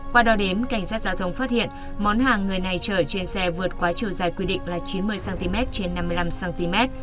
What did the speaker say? qua đo đếm cảnh sát giao thông phát hiện món hàng người này chở trên xe vượt quá chiều dài quy định là chín mươi cm trên năm mươi năm cm